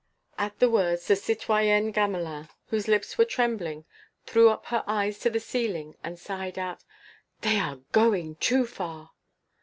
At the words the citoyenne Gamelin, whose lips were trembling, threw up her eyes to the ceiling and sighed out: "They are going too far!"